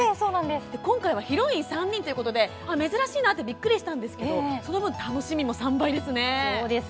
今回、ヒロインが３人ということに珍しいなとびっくりしたんですけどその分、楽しみも３倍ですね。